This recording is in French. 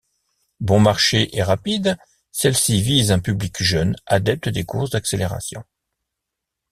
Bon marché et rapides, celles-ci visent un public jeune, adepte des courses d'accélération.